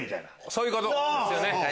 そういうことですよね